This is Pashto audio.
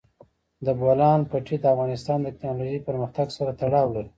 د بولان پټي د افغانستان د تکنالوژۍ پرمختګ سره تړاو لري.